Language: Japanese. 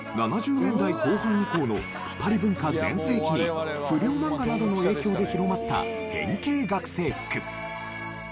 ７０年代後半以降のツッパリ文化全盛期に不良漫画などの影響で広まった変形学生服。